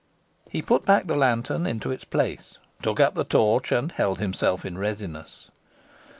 He put back the lantern into its place, took up the torch, and held himself in readiness.